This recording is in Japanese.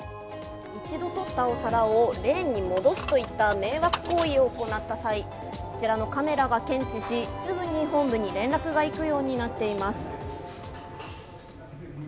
一度取ったお皿をレーンに戻すといった迷惑行為を行った際こちらのカメラが検知し、すぐに本部に連絡が行くようになっています。